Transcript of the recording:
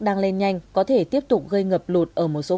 đang lên nhanh có thể tiếp tục gây ngập lụt